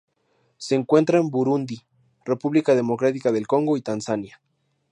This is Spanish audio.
Se encuentra en Burundi, República Democrática del Congo y Tanzania.